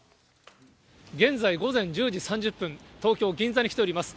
現在、午前１０時３０分、東京・銀座に来ております。